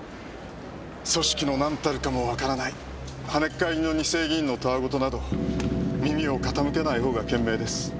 組織の何たるかもわからない跳ねっ返りの二世議員のたわ言など耳を傾けないほうが賢明です。